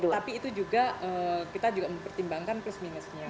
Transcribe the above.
tapi itu juga kita juga mempertimbangkan plus minusnya